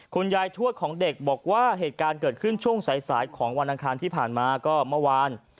ทวดของเด็กบอกว่าเหตุการณ์เกิดขึ้นช่วงสายของวันอังคารที่ผ่านมาก็เมื่อวาน